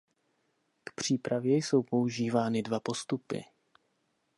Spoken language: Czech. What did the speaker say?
K přípravě jsou používány dva postupy.